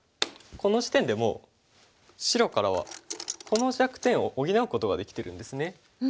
この時点でもう白からはこの弱点を補うことができてるんですね。